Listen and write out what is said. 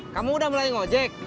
kamu udah mulai ngojek